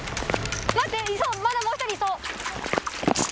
待ってまだもう１人いそう！